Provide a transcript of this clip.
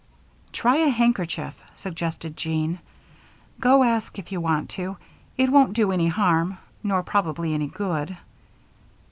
"Try a handkerchief," suggested Jean. "Go ask, if you want to; it won't do any harm, nor probably any good."